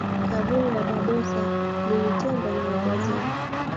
Kaburi la barbosa lilitengwa na wabrazil